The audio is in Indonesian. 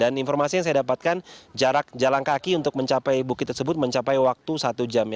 dan informasi yang saya dapatkan jarak jalan kaki untuk mencapai bukit tersebut mencapai waktu satu jam